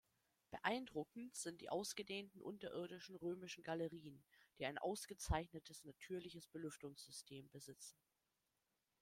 Beeindruckend sind die ausgedehnten unterirdischen römischen Galerien, die ein ausgezeichnetes natürliches Belüftungssystem besitzen.